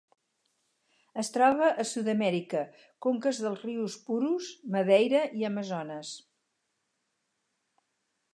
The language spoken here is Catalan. Es troba a Sud-amèrica: conques dels rius Purus, Madeira i Amazones.